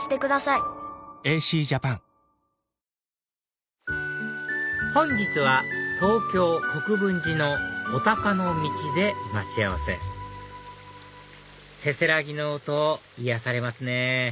ニトリ本日は東京国分寺のお鷹の道で待ち合わせせせらぎの音癒やされますね